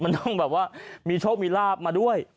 มันต้องมีโชคมีลาบมาด้วย